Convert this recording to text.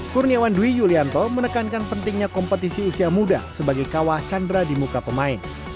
kurniawan dwi yulianto menekankan pentingnya kompetisi usia muda sebagai kawah chandra di muka pemain